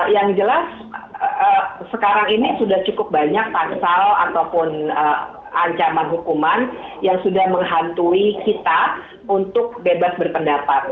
yang jelas sekarang ini sudah cukup banyak pasal ataupun ancaman hukuman yang sudah menghantui kita untuk bebas berpendapat